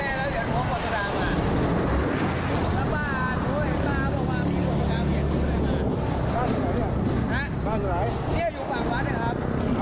เอาที่นี่เหรอ